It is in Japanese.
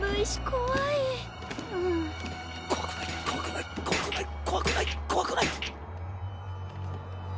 こわくないこわくないこわくないこわくないこわくない。